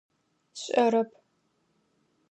Сшӏэрэп.